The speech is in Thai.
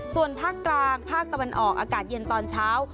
ส่วนภาคกลางภาคตะวันออกอากาศเย็นตอนเช้า